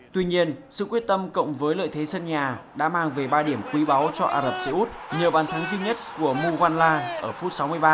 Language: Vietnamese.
tuy nhiên sự quyết tâm cộng với lợi thế sân nhà đã mang về ba điểm quý báu cho ả rập xê út nhờ bàn thắng duy nhất của moghuela ở phút sáu mươi ba